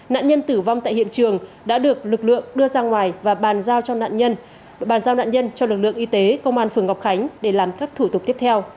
nạn nhân tử vong tại hiện trường đã được lực lượng đưa ra ngoài và bàn giao cho nạn nhân cho lực lượng y tế công an phường ngọc khánh để làm các thủ tục tiếp theo